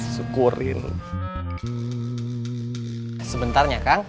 syukurin sebentar ya kang